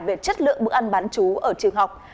về chất lượng bữa ăn bán chú ở trường học